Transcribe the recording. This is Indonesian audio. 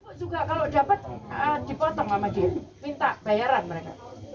kalau dapat dipotong sama dia minta bayaran mereka